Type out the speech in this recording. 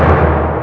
aku tidak mau